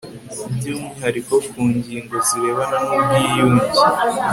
by umwihariko ku ngingo zirebana n ubwiyunge